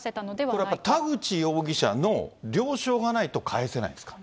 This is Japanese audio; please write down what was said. これやっぱり、田口容疑者の了承がないと返せないんですか。